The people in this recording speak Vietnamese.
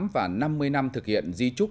và năm mươi năm thực hiện di trúc